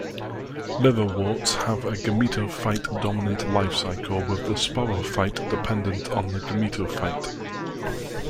Liverworts have a gametophyte-dominant life cycle, with the sporophyte dependent on the gametophyte.